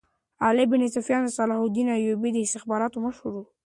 علي بن سفیان د صلاح الدین ایوبي د استخباراتو مشر وو